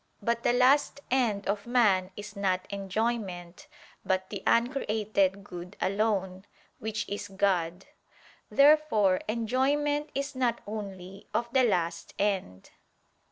But the last end of man is not enjoyment, but the uncreated good alone, which is God. Therefore enjoyment is not only of the last end.